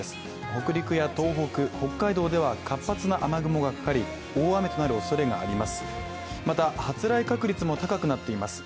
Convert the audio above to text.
北陸や東北、北海道では活発な雨雲がかかり大雨となるおそれがあります。